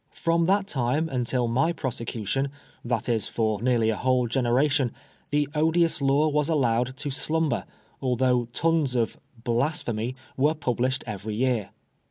From that time until my prosecution, that is for nearly a whole generation, the odious law was allowed to slumber, although tons of " blasphemy " were published every year.